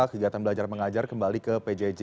kegiatan belajar mengajar kembali ke pjj